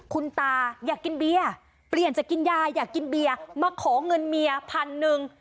คุณตาอยากกินเบียร์เปลี่ยนจะกินยาอยากกินเบียร์มาขอเงินเมียพันหนึ่ง